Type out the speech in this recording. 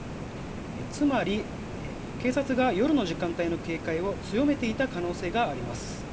つまり警察が夜の時間帯の警戒を強めていた可能性があります。